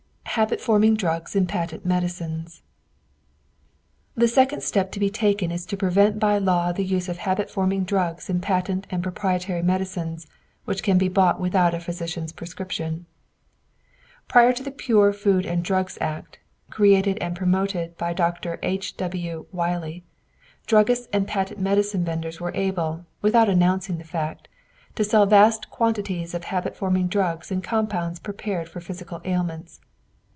HABIT FORMING DRUGS IN PATENT MEDICINES The second step to be taken is to prevent by law the use of habit forming drugs in patent and proprietary medicines which can be bought without a physician's prescription. Prior to the Pure Food and Drugs Act, created and promoted by Dr. H. W. Wiley, druggists and patent medicine venders were able, without announcing the fact, to sell vast quantities of habit forming drugs in compounds prepared for physical ailments.